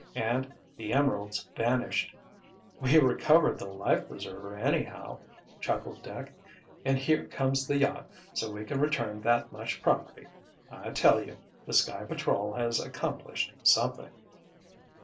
And—the emeralds vanished!" "We recovered the life preserver, anyhow," chuckled Dick. "And here comes the yacht so we can return that much property. I tell you, the Sky Patrol has accomplished something!"